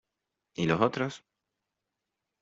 ¿ y los otros?